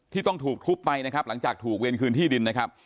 ต้องถูกทุบไปนะครับหลังจากถูกเวรคืนที่ดินนะครับ